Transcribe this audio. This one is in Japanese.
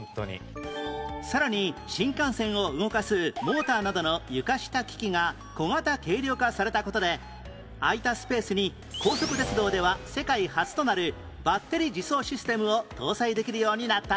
さらに新幹線を動かすモーターなどの床下機器が小型軽量化された事で空いたスペースに高速鉄道では世界初となるバッテリ自走システムを搭載できるようになったんです